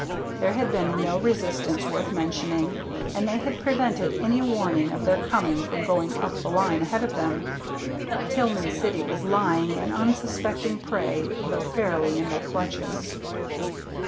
There had been no resistance worth mentioning, and they had prevented any warning of their coming from going up the line ahead of them. Tillman City was lying an unsuspecting prey, though fairly in their clutches.